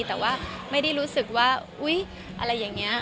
แต่ว่าไม่ได้รู้สึกว่าอุ๊ยอะไรอย่างนี้